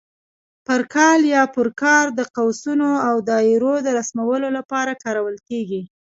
پر کال یا پر کار د قوسونو او دایرو د رسمولو لپاره کارول کېږي.